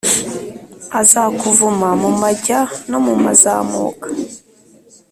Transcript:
azakuvuma mu majya no mu mazamuka“